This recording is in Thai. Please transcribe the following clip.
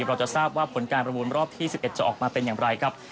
เราจะทราบว่าผลการประมูลรอบที่๑๑จะออกมาเป็นอย่างไรครับ